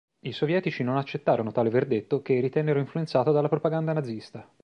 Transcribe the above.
I Sovietici non accettarono tale verdetto che ritennero influenzato dalla propaganda nazista.